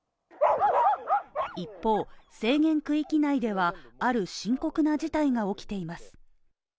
一方、制限区域内では、ある深刻な事態が起きています。